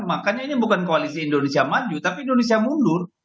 makanya ini bukan koalisi indonesia maju tapi indonesia mundur